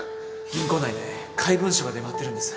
銀行内で怪文書が出回ってるんです